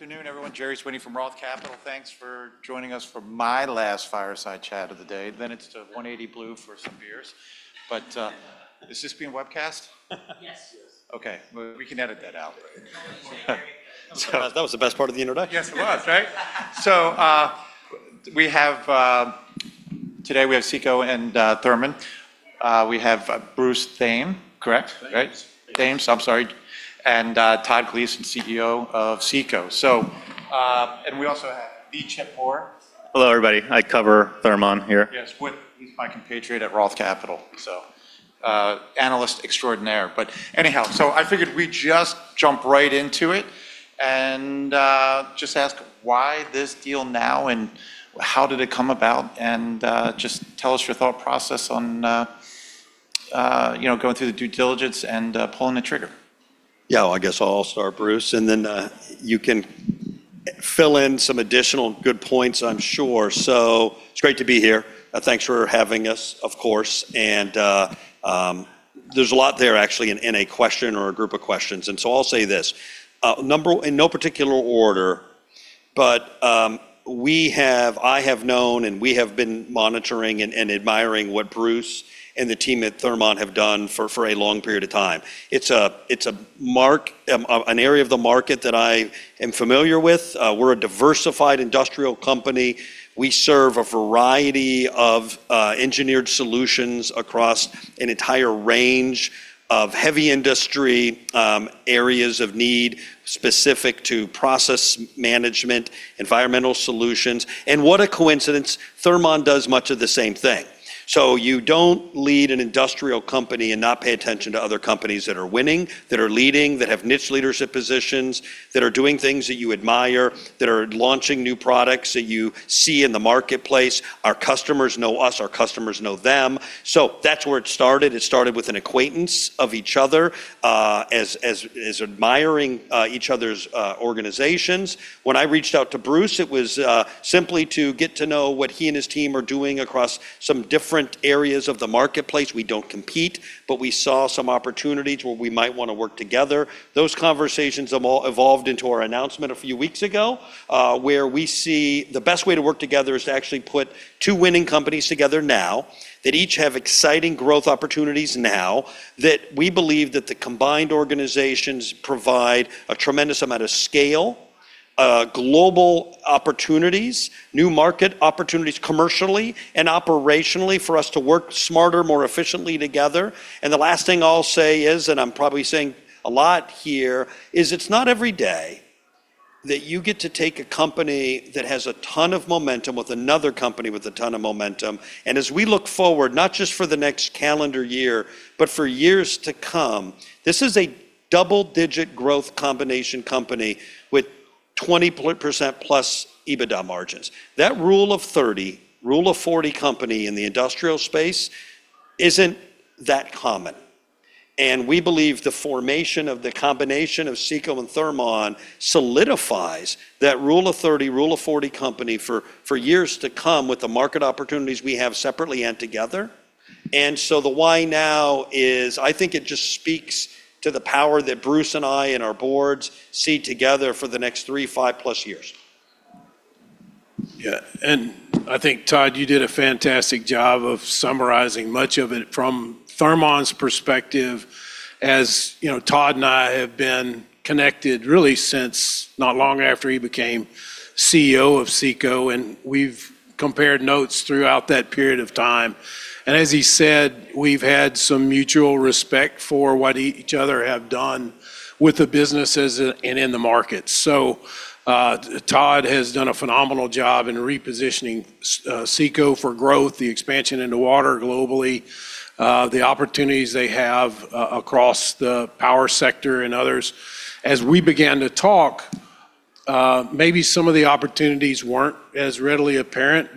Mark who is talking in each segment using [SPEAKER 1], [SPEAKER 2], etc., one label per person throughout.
[SPEAKER 1] Afternoon, everyone. Gerry Sweeney from Roth Capital. Thanks for joining us for my last fireside chat of the day. It's to 180blu for some beers. Is this being webcast?
[SPEAKER 2] Yes.
[SPEAKER 1] Okay. Well, we can edit that out.
[SPEAKER 2] That was the best part of the introduction.
[SPEAKER 1] Yes, it was, right? Today we have CECO and Thermon. We have Bruce Thames. Correct?
[SPEAKER 3] Thames.
[SPEAKER 1] Right. Thames. I'm sorry. Todd Gleason, CEO of CECO. We also have Chip Moore.
[SPEAKER 2] Hello, everybody. I cover Thermon here.
[SPEAKER 1] Yes, with my compatriot at Roth Capital. Analyst extraordinaire. Anyhow, so I figured we'd just jump right into it and, just ask why this deal now, and how did it come about? Just tell us your thought process on, you know, going through the due diligence and, pulling the trigger.
[SPEAKER 4] Yeah. I guess I'll start, Bruce, and then you can fill in some additional good points, I'm sure. It's great to be here. Thanks for having us, of course. There's a lot there actually in a question or a group of questions, and so I'll say this. In no particular order, but I have known, and we have been monitoring and admiring what Bruce and the team at Thermon have done for a long period of time. It's a market, an area of the market that I am familiar with. We're a diversified industrial company. We serve a variety of engineered solutions across an entire range of heavy industry areas of need specific to process management, environmental solutions, and what a coincidence, Thermon does much of the same thing. You don't lead an industrial company and not pay attention to other companies that are winning, that are leading, that have niche leadership positions, that are doing things that you admire, that are launching new products that you see in the marketplace. Our customers know us. Our customers know them. That's where it started. It started with an acquaintance of each other as admiring each other's organizations. When I reached out to Bruce, it was simply to get to know what he and his team are doing across some different areas of the marketplace. We don't compete, but we saw some opportunities where we might wanna work together. Those conversations have all evolved into our announcement a few weeks ago, where we see the best way to work together is to actually put two winning companies together now that each have exciting growth opportunities now, that we believe that the combined organizations provide a tremendous amount of scale, global opportunities, new market opportunities commercially and operationally for us to work smarter, more efficiently together. The last thing I'll say is, and I'm probably saying a lot here, is it's not every day that you get to take a company that has a ton of momentum with another company with a ton of momentum, and as we look forward, not just for the next calendar year, but for years to come, this is a double-digit growth combination company with 20%+ EBITDA margins. That rule of 30, rule of 40 company in the industrial space isn't that common, and we believe the formation of the combination of CECO and Thermon solidifies that rule of 30, rule of 40 company for years to come with the market opportunities we have separately and together. The why now is I think it just speaks to the power that Bruce and I and our boards see together for the next three, five plus years.
[SPEAKER 3] Yeah. I think, Todd, you did a fantastic job of summarizing much of it from Thermon's perspective. As you know, Todd and I have been connected really since not long after he became CEO of CECO, and we've compared notes throughout that period of time. As he said, we've had some mutual respect for what each other have done with the businesses and in the market. Todd has done a phenomenal job in repositioning CECO for growth, the expansion into water globally, the opportunities they have across the power sector and others. As we began to talk, maybe some of the opportunities weren't as readily apparent,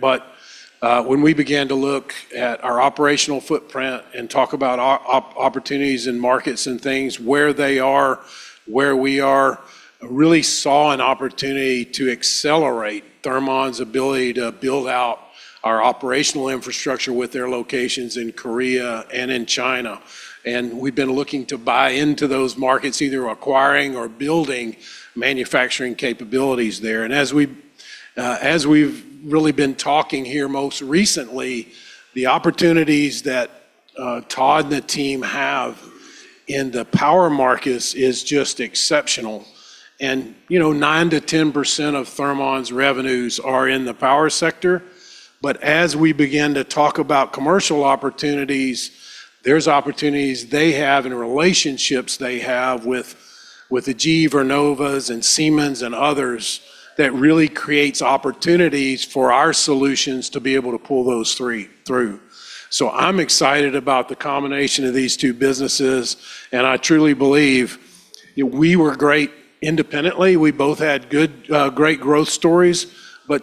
[SPEAKER 3] but, when we began to look at our operational footprint and talk about opportunities in markets and things, where they are, where we are, really saw an opportunity to accelerate Thermon's ability to build out our operational infrastructure with their locations in Korea and in China. We've been looking to buy into those markets, either acquiring or building manufacturing capabilities there. As we've really been talking here most recently, the opportunities that Todd and the team have in the power markets is just exceptional. You know, 9%-10% of Thermon's revenues are in the power sector. As we begin to talk about commercial opportunities, there's opportunities they have and relationships they have with the GE Vernova and Siemens and others that really creates opportunities for our solutions to be able to pull those three through. I'm excited about the combination of these two businesses, and I truly believe we were great independently. We both had good, great growth stories.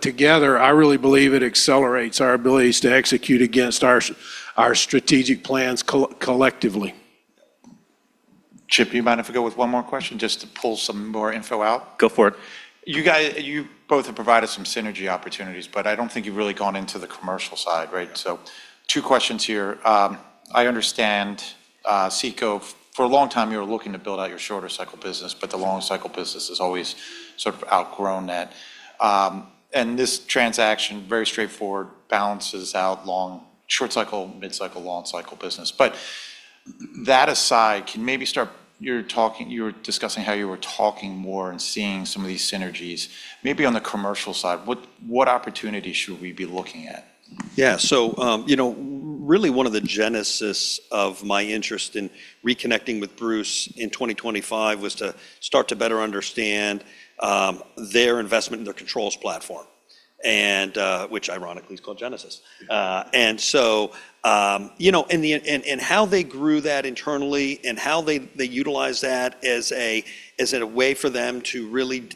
[SPEAKER 3] Together, I really believe it accelerates our abilities to execute against our strategic plans collectively.
[SPEAKER 1] Chip, you mind if I go with one more question just to pull some more info out?
[SPEAKER 2] Go for it.
[SPEAKER 1] You both have provided some synergy opportunities, but I don't think you've really gone into the commercial side, right? Two questions here. I understand, CECO, for a long time you were looking to build out your shorter cycle business, but the long cycle business has always sort of outgrown that. This transaction, very straightforward, balances out short cycle, mid-cycle, long cycle business. That aside, you were discussing how you were talking more and seeing some of these synergies. Maybe on the commercial side, what opportunities should we be looking at?
[SPEAKER 4] Yeah. You know, really one of the genesis of my interest in reconnecting with Bruce in 2025 was to start to better understand their investment in their controls platform, which ironically is called Genesis. You know, how they grew that internally and how they utilize that as a way for them to really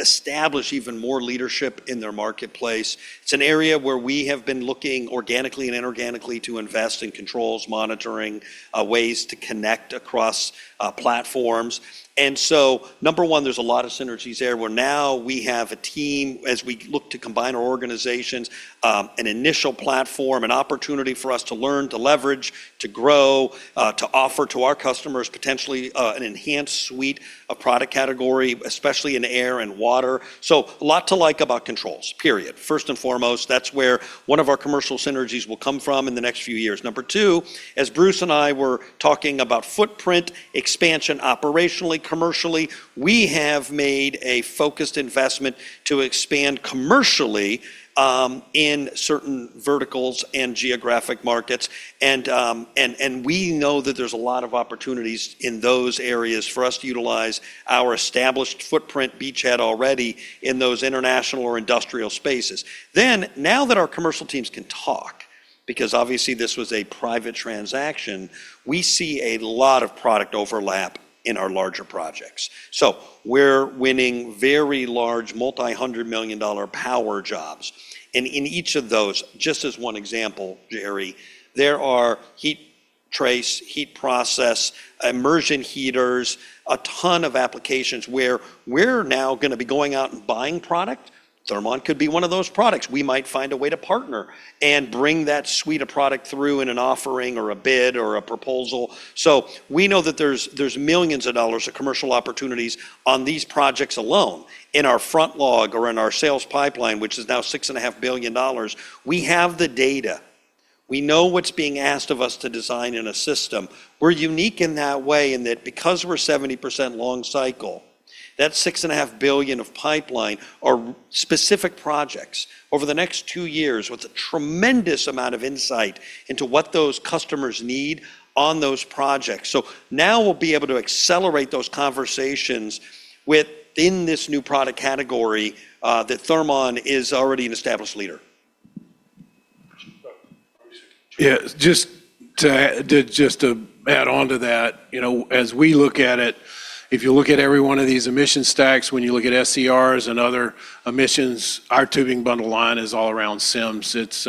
[SPEAKER 4] establish even more leadership in their marketplace. It's an area where we have been looking organically and inorganically to invest in controls, monitoring, ways to connect across platforms. Number one, there's a lot of synergies there, where now we have a team, as we look to combine our organizations, an initial platform, an opportunity for us to learn, to leverage, to grow, to offer to our customers potentially, an enhanced suite of product category, especially in air and water. So a lot to like about controls, period. First and foremost, that's where one of our commercial synergies will come from in the next few years. Number two, as Bruce and I were talking about footprint expansion operationally, commercially, we have made a focused investment to expand commercially, in certain verticals and geographic markets. And we know that there's a lot of opportunities in those areas for us to utilize our established footprint beachhead already in those international or industrial spaces. Now that our commercial teams can talk, because obviously this was a private transaction, we see a lot of product overlap in our larger projects. We’re winning very large multi-hundred million dollar power jobs. In each of those, just as one example, Gerry, there are heat trace, heat process, immersion heaters, a ton of applications where we’re now gonna be going out and buying product. Thermon could be one of those products. We might find a way to partner and bring that suite of product through in an offering or a bid or a proposal. We know that there’s millions of dollars of commercial opportunities on these projects alone. In our backlog or in our sales pipeline, which is now $6.5 billion, we have the data. We know what’s being asked of us to design in a system. We're unique in that way in that because we're 70% long cycle, that $6.5 billion of pipeline are specific projects over the next two years with a tremendous amount of insight into what those customers need on those projects. Now we'll be able to accelerate those conversations within this new product category, that Thermon is already an established leader.
[SPEAKER 3] Yeah. Just to add on to that, you know, as we look at it, if you look at every one of these emission stacks, when you look at SCRs and other emissions, our tubing bundle line is all around CEMS. It's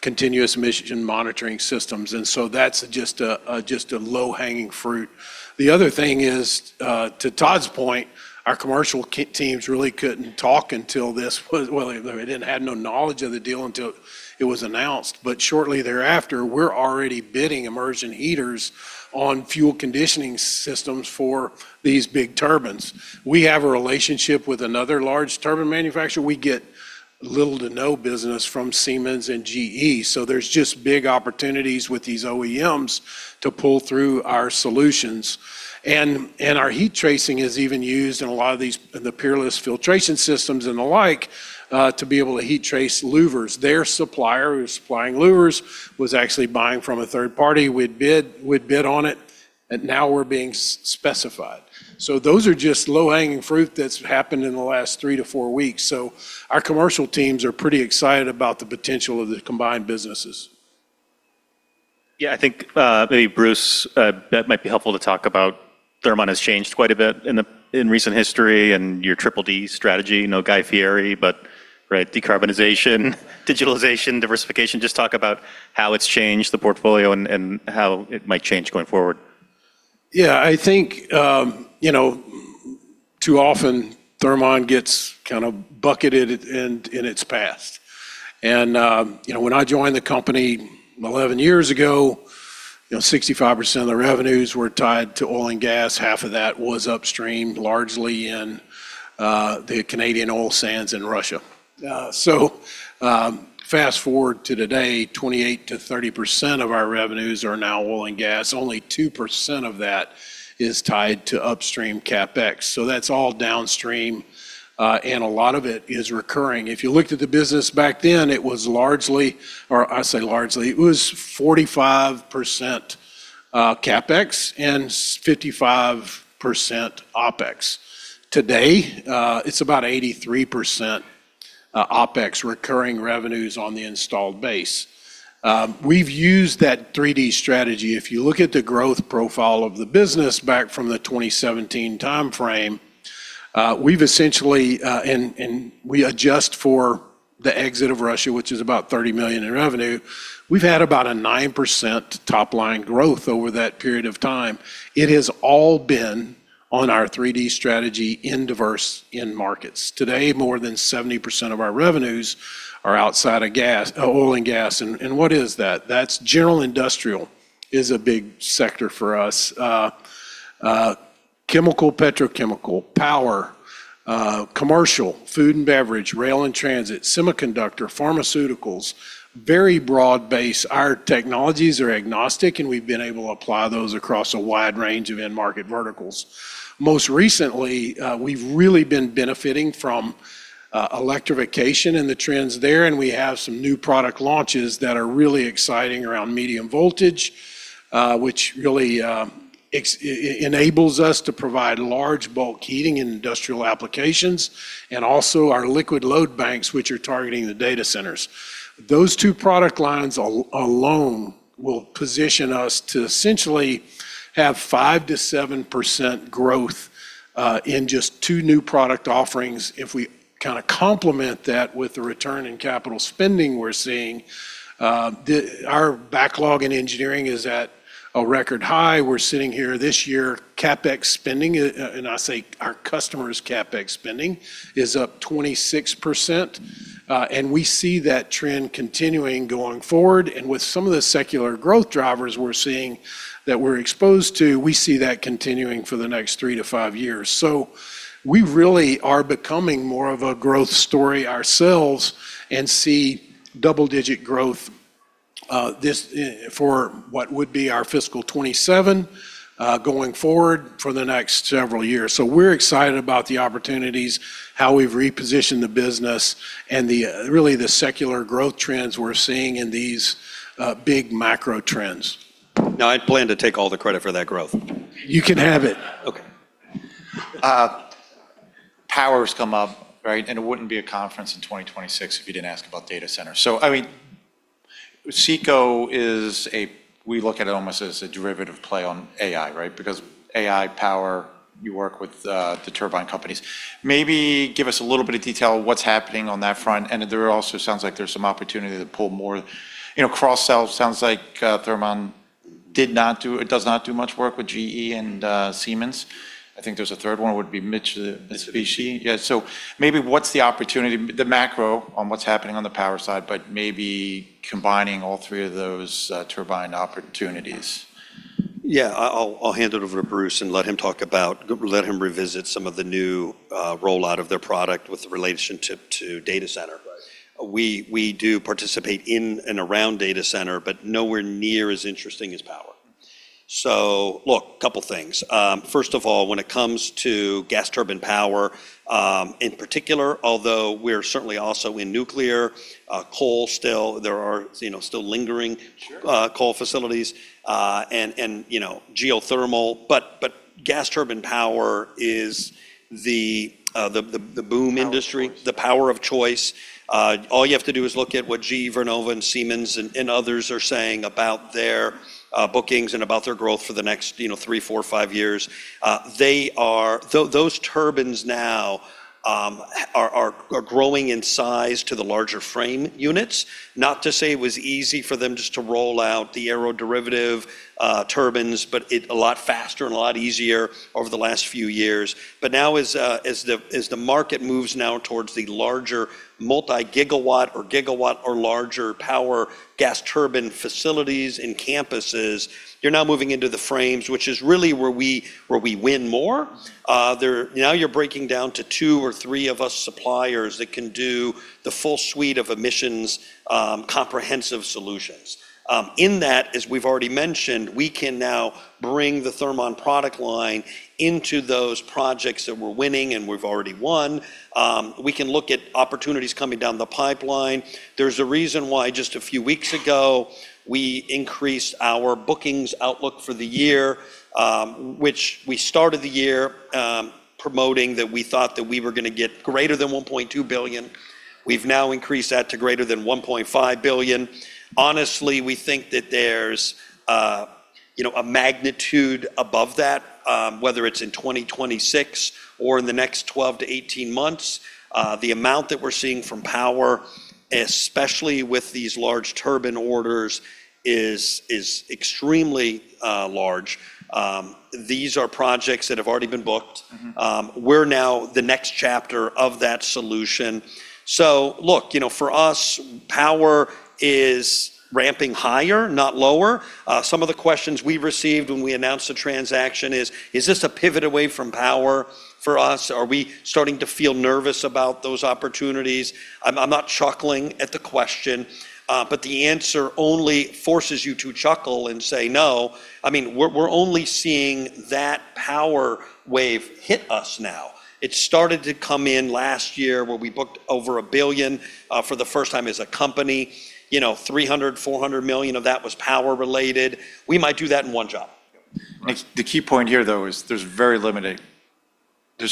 [SPEAKER 3] continuous emission monitoring systems. That's just a low-hanging fruit. The other thing is to Todd's point, our commercial teams really couldn't talk. They didn't have no knowledge of the deal until it was announced. Shortly thereafter, we're already bidding immersion heaters on fuel conditioning systems for these big turbines. We have a relationship with another large turbine manufacturer. We get little to no business from Siemens and GE. There's just big opportunities with these OEMs to pull through our solutions. Our heat tracing is even used in a lot of these, the Peerless filtration systems and the like, to be able to heat trace louvers. Their supplier who's supplying louvers was actually buying from a third party. We'd bid on it, and now we're being specified. Those are just low-hanging fruit that's happened in the last three-four weeks. Our commercial teams are pretty excited about the potential of the combined businesses.
[SPEAKER 2] Yeah. I think maybe Bruce that might be helpful to talk about. Thermon has changed quite a bit in recent history and your triple D strategy. No Guy Fieri, but right, Decarbonization, Digitalization, Diversification. Just talk about how it's changed the portfolio and how it might change going forward.
[SPEAKER 3] Yeah. I think, you know, too often Thermon gets kind of bucketed in its past. When I joined the company 11 years ago, you know, 65% of the revenues were tied to oil and gas. Half of that was upstream, largely in the Canadian oil sands in Russia. Fast-forward to today, 28-30% of our revenues are now oil and gas. Only 2% of that is tied to upstream CapEx. That's all downstream, and a lot of it is recurring. If you looked at the business back then, it was largely 45% CapEx and 55% OpEx. Today, it's about 83% OpEx recurring revenues on the installed base. We've used that 3D strategy. If you look at the growth profile of the business back from the 2017 timeframe, we've essentially, and we adjust for the exit of Russia, which is about $30 million in revenue. We've had about a 9% top-line growth over that period of time. It has all been On our triple D strategy in diverse end markets. Today, more than 70% of our revenues are outside of gas, oil and gas. What is that? That's general industrial, a big sector for us. Chemical, petrochemical, power, commercial, food and beverage, rail and transit, semiconductor, pharmaceuticals, very broad base. Our technologies are agnostic, and we've been able to apply those across a wide range of end market verticals. Most recently, we've really been benefiting from electrification and the trends there, and we have some new product launches that are really exciting around medium voltage, which really enables us to provide large bulk heating in industrial applications and also our liquid load banks, which are targeting the data centers. Those two product lines alone will position us to essentially have 5%-7% growth in just two new product offerings if we kinda complement that with the return in capital spending we're seeing. Our backlog in engineering is at a record high. We're sitting here this year, CapEx spending, and I say our customers' CapEx spending is up 26%. We see that trend continuing going forward. With some of the secular growth drivers we're seeing that we're exposed to, we see that continuing for the next three-five years. We really are becoming more of a growth story ourselves and see double-digit growth for what would be our fiscal 2027 going forward for the next several years. We're excited about the opportunities, how we've repositioned the business and the really secular growth trends we're seeing in these big macro trends.
[SPEAKER 1] Now, I plan to take all the credit for that growth.
[SPEAKER 3] You can have it.
[SPEAKER 1] Power's come up, right? It wouldn't be a conference in 2026 if you didn't ask about data centers. I mean, CECO is we look at it almost as a derivative play on AI, right? Because AI power, you work with the turbine companies. Maybe give us a little bit of detail of what's happening on that front. There also sounds like there's some opportunity to pull more, you know, cross-sells. Sounds like Thermon does not do much work with GE and Siemens. I think there's a third one would be Mitsubishi. Yeah. Maybe what's the opportunity, the macro on what's happening on the power side, but maybe combining all three of those turbine opportunities?
[SPEAKER 4] Yeah. I'll hand it over to Bruce Thames and let him revisit some of the new rollout of their product with relation to data center.
[SPEAKER 1] Right.
[SPEAKER 4] We do participate in and around data center, but nowhere near as interesting as power. Look, couple things. First of all, when it comes to gas turbine power, in particular, although we're certainly also in nuclear, coal still, there are, you know, still lingering.
[SPEAKER 1] Sure
[SPEAKER 4] coal facilities, and you know, geothermal. Gas turbine power is the boom industry. The power of choice. All you have to do is look at what GE Vernova and Siemens and others are saying about their bookings and about their growth for the next, you know, three, four, five years. Though those turbines now are growing in size to the larger frame units. Not to say it was easy for them just to roll out the aeroderivative turbines, but a lot faster and a lot easier over the last few years. Now as the market moves now towards the larger multi-gigawatt or gigawatt or larger power gas turbine facilities and campuses, you're now moving into the frames, which is really where we win more. Now you're breaking down to two or three of us suppliers that can do the full suite of emissions comprehensive solutions. In that, as we've already mentioned, we can now bring the Thermon product line into those projects that we're winning and we've already won. We can look at opportunities coming down the pipeline. There's a reason why just a few weeks ago, we increased our bookings outlook for the year, which we started the year promoting that we thought that we were gonna get greater than $1.2 billion. We've now increased that to greater than $1.5 billion. Honestly, we think that there's a magnitude above that, whether it's in 2026 or in the next 12 to 18 months. The amount that we're seeing from power, especially with these large turbine orders, is extremely large. These are projects that have already been booked.
[SPEAKER 1] Mm-hmm.
[SPEAKER 4] We're now the next chapter of that solution. Look, you know, for us, power is ramping higher, not lower. Some of the questions we received when we announced the transaction is this a pivot away from power for us? Are we starting to feel nervous about those opportunities? I'm not chuckling at the question, but the answer only forces you to chuckle and say no. I mean, we're only seeing that power wave hit us now. It started to come in last year where we booked over $1 billion for the first time as a company. You know, $300 million-$400 million of that was power related. We might do that in one job.
[SPEAKER 1] The key point here, though, is there's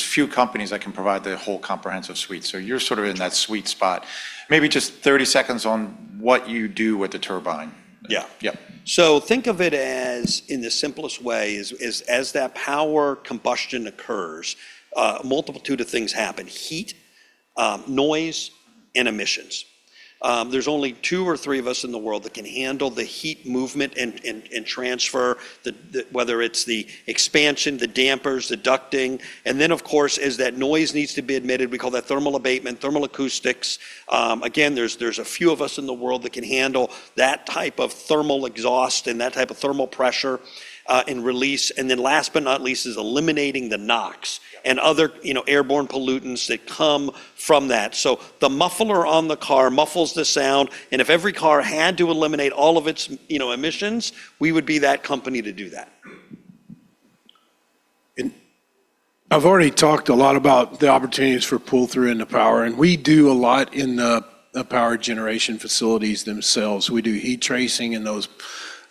[SPEAKER 1] few companies that can provide the whole comprehensive suite. You're sort of in that sweet spot. Maybe just 30 seconds on what you do with the turbine.
[SPEAKER 4] Yeah.
[SPEAKER 1] Yeah.
[SPEAKER 4] Think of it as in the simplest way is as that power combustion occurs, multitude of things happen. Heat, noise and emissions. There's only two or three of us in the world that can handle the heat movement and transfer whether it's the expansion, the dampers, the ducting. Of course, as that noise needs to be attenuated, we call that thermal abatement, thermal acoustics. Again, there's a few of us in the world that can handle that type of thermal exhaust and that type of thermal pressure and release. Last but not least is eliminating the NOx and other, you know, airborne pollutants that come from that. The muffler on the car muffles the sound, and if every car had to eliminate all of its, you know, emissions, we would be that company to do that.
[SPEAKER 3] I've already talked a lot about the opportunities for pull-through into power, and we do a lot in the power generation facilities themselves. We do heat tracing in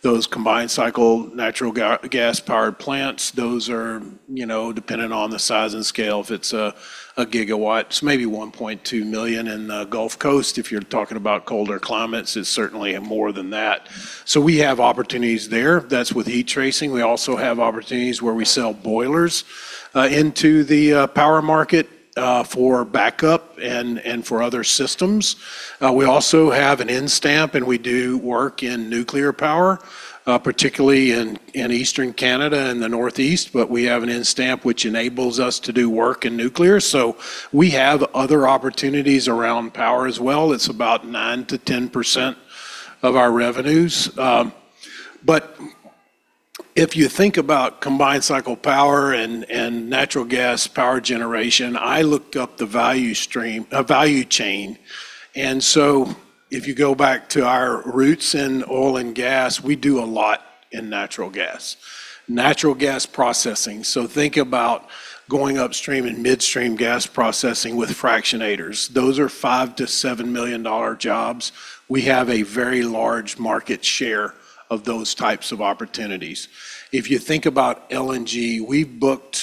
[SPEAKER 3] those combined cycle natural gas-powered plants. Those are, you know, dependent on the size and scale. If it's a gigawatt, it's maybe $1.2 million in the Gulf Coast. If you're talking about colder climates, it's certainly more than that. We have opportunities there. That's with heat tracing. We also have opportunities where we sell boilers into the power market for backup and for other systems. We also have an N stamp, and we do work in nuclear power, particularly in Eastern Canada and the Northeast. We have an N stamp which enables us to do work in nuclear, so we have other opportunities around power as well. It's about 9%-10% of our revenues. If you think about combined cycle power and natural gas power generation, I looked up the value chain. If you go back to our roots in oil and gas, we do a lot in natural gas. Natural gas processing, so think about going upstream and midstream gas processing with fractionators. Those are $5 million-$7 million jobs. We have a very large market share of those types of opportunities. If you think about LNG, we've booked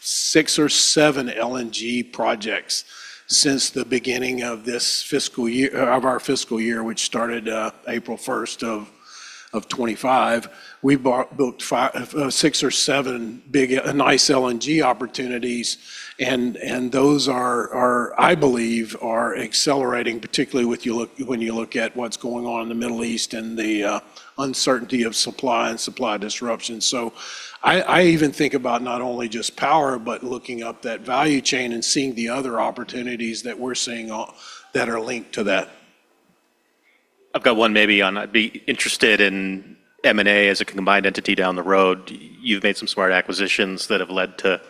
[SPEAKER 3] six or seven LNG projects since the beginning of our fiscal year, which started April first of 2025. We built six or seven big, a nice LNG opportunities, and those are, I believe, accelerating, particularly when you look at what's going on in the Middle East and the uncertainty of supply and supply disruption. I even think about not only just power, but looking up that value chain and seeing the other opportunities that we're seeing that are linked to that.
[SPEAKER 1] I've got one maybe on, I'd be interested in M&A as a combined entity down the road. You've made some smart acquisitions that have led to,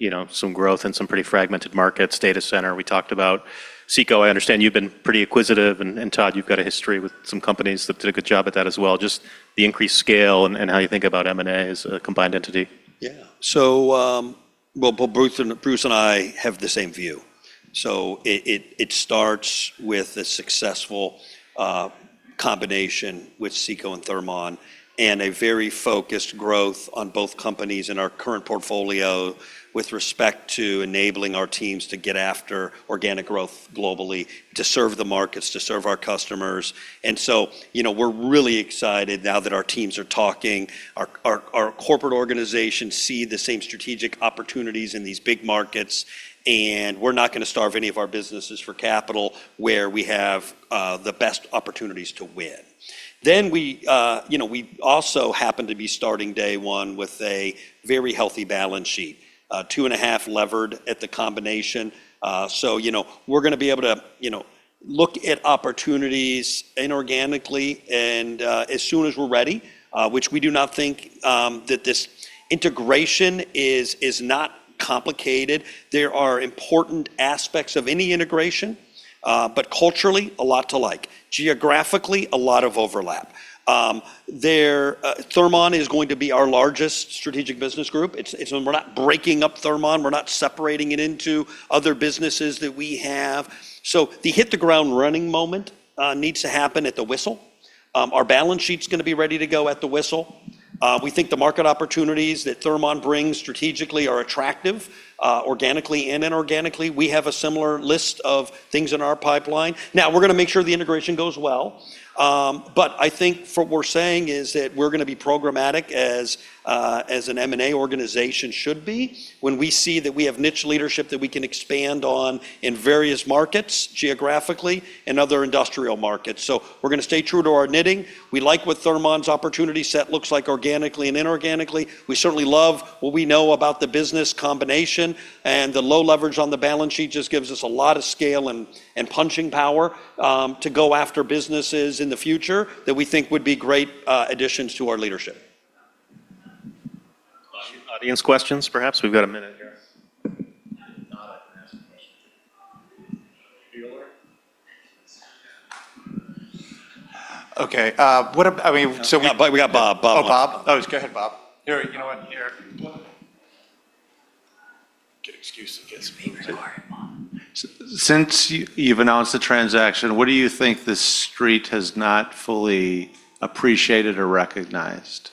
[SPEAKER 1] you know, some growth in some pretty fragmented markets. Data center we talked about. CECO, I understand you've been pretty acquisitive, and Todd, you've got a history with some companies that did a good job at that as well. Just the increased scale and how you think about M&A as a combined entity.
[SPEAKER 4] Yeah, Bruce and I have the same view. It starts with a successful combination with CECO and Thermon and a very focused growth on both companies in our current portfolio with respect to enabling our teams to get after organic growth globally to serve the markets, to serve our customers. You know, we're really excited now that our teams are talking. Our corporate organizations see the same strategic opportunities in these big markets, and we're not gonna starve any of our businesses for capital where we have the best opportunities to win. You know, we also happen to be starting day one with a very healthy balance sheet, 2.5 levered at the combination. you know, we're gonna be able to, you know, look at opportunities inorganically and as soon as we're ready, which we do not think that this integration is not complicated. There are important aspects of any integration, but culturally, a lot to like. Geographically, a lot of overlap. Thermon is going to be our largest strategic business group. It's. We're not breaking up Thermon. We're not separating it into other businesses that we have. The hit the ground running moment needs to happen at the whistle. Our balance sheet's gonna be ready to go at the whistle. We think the market opportunities that Thermon brings strategically are attractive, organically and inorganically. We have a similar list of things in our pipeline. Now, we're gonna make sure the integration goes well. I think what we're saying is that we're gonna be programmatic as an M&A organization should be when we see that we have niche leadership that we can expand on in various markets geographically and other industrial markets. We're gonna stay true to our knitting. We like what Thermon's opportunity set looks like organically and inorganically. We certainly love what we know about the business combination, and the low leverage on the balance sheet just gives us a lot of scale and punching power to go after businesses in the future that we think would be great additions to our leadership.
[SPEAKER 3] Questions?
[SPEAKER 2] Audience questions, perhaps? We've got a minute.
[SPEAKER 4] Okay. I mean, we
[SPEAKER 1] We got Bob. Bob wants
[SPEAKER 4] Oh, Bob? Oh, go ahead, Bob.
[SPEAKER 1] Here, you know what? Here. Get excuses. It's being recorded, Bob.
[SPEAKER 5] Since you've announced the transaction, what do you think this street has not fully appreciated or recognized?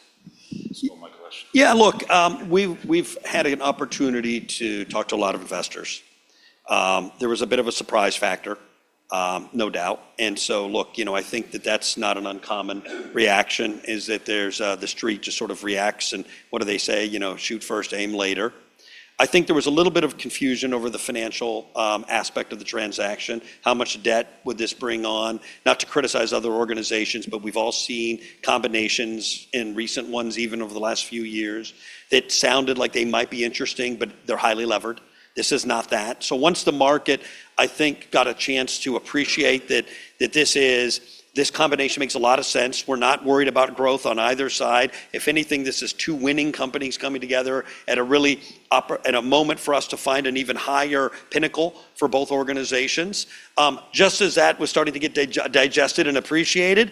[SPEAKER 1] Steal my question.
[SPEAKER 4] Yeah, look, we've had an opportunity to talk to a lot of investors. There was a bit of a surprise factor, no doubt. Look, you know, I think that's not an uncommon reaction, isn't it? There's the street just sort of reacts and what do they say? You know, shoot first, aim later. I think there was a little bit of confusion over the financial aspect of the transaction. How much debt would this bring on? Not to criticize other organizations, but we've all seen combinations in recent ones, even over the last few years, that sounded like they might be interesting, but they're highly levered. This is not that. Once the market, I think, got a chance to appreciate that this combination makes a lot of sense. We're not worried about growth on either side. If anything, this is two winning companies coming together at a really at a moment for us to find an even higher pinnacle for both organizations. Just as that was starting to get digested and appreciated,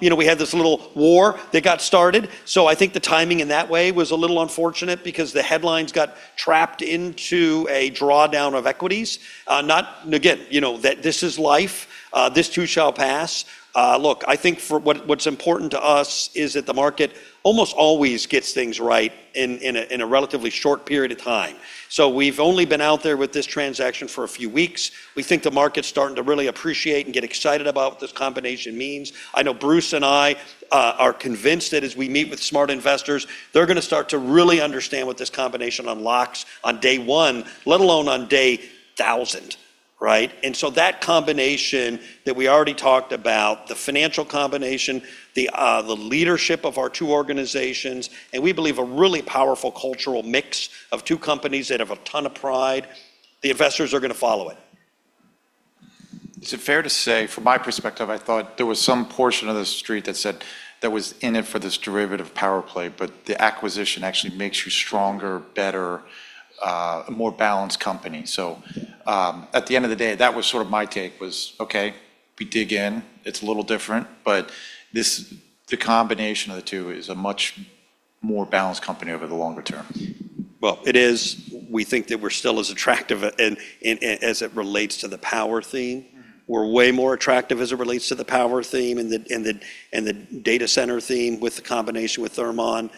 [SPEAKER 4] you know, we had this little war that got started. I think the timing in that way was a little unfortunate because the headlines got trapped into a drawdown of equities. Again, you know, that this is life. This too shall pass. Look, I think what's important to us is that the market almost always gets things right in a relatively short period of time. We've only been out there with this transaction for a few weeks. We think the market's starting to really appreciate and get excited about what this combination means. I know Bruce and I are convinced that as we meet with smart investors, they're gonna start to really understand what this combination unlocks on day one, let alone on day thousand, right? That combination that we already talked about, the financial combination, the leadership of our two organizations, and we believe a really powerful cultural mix of two companies that have a ton of pride, the investors are gonna follow it.
[SPEAKER 5] Is it fair to say, from my perspective, I thought there was some portion of the street that said that was in it for this aeroderivative power play, but the acquisition actually makes you stronger, better, a more balanced company. At the end of the day, that was sort of my take, okay, we dig in, it's a little different, but this, the combination of the two is a much more balanced company over the longer term.
[SPEAKER 4] Well, it is. We think that we're still as attractive as it relates to the power theme.
[SPEAKER 5] Mm-hmm.
[SPEAKER 4] We're way more attractive as it relates to the power theme and the data center theme with the combination with Thermon.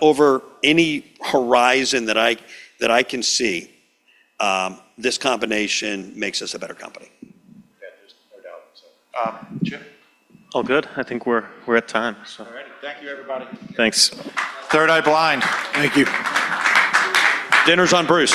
[SPEAKER 4] Over any horizon that I can see, this combination makes us a better company.
[SPEAKER 1] Yeah, there's no doubt. Jim?
[SPEAKER 2] All good. I think we're at time, so.
[SPEAKER 1] All right. Thank you, everybody.
[SPEAKER 2] Thanks.
[SPEAKER 4] Third Eye Blind. Thank you. Dinner's on Bruce.